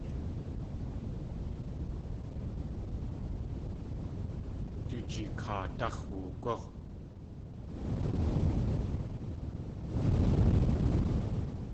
Du jikaadáx̲ woogú!